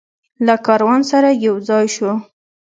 له کاروان سره یوځای شو.